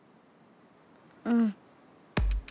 うん。